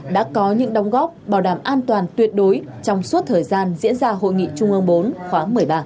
đã có những đóng góp bảo đảm an toàn tuyệt đối trong suốt thời gian diễn ra hội nghị trung ương bốn khóa một mươi ba